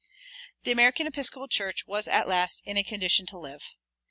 The American Episcopal Church was at last in a condition to live.